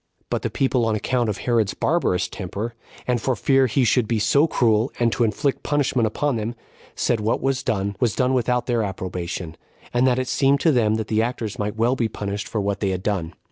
4. But the people, on account of Herod's barbarous temper, and for fear he should be so cruel and to inflict punishment on them, said what was done was done without their approbation, and that it seemed to them that the actors might well be punished for what they had done.